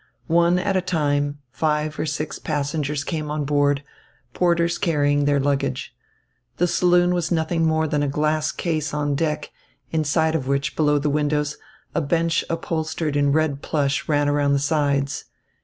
One at a time five or six passengers came on board, porters carrying their luggage. The saloon was nothing more than a glass case on deck, inside of which, below the windows, a bench upholstered in red plush ran around the sides.